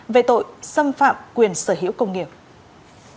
về tội xâm phạm quyền sở hữu công nghiệp